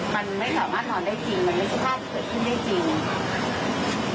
มันไม่สามารถนอนได้จริงมันไม่ใช่ภาพที่เกิดขึ้นได้จริง